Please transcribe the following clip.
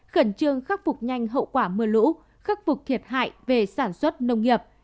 khẩn trương khắc phục nhanh hậu quả mưa lũ khắc phục thiệt hại về sản xuất nông nghiệp